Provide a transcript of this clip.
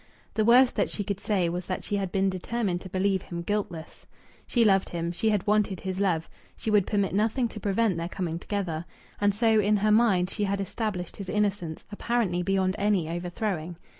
The worst that she could say was that she had been determined to believe him guiltless. She loved him; she had wanted his love; she would permit nothing to prevent their coming together; and so in her mind she had established his innocence apparently beyond any overthrowing.